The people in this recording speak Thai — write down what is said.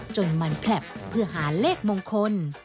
จนมันแผลบเพื่อหาเลขมงคล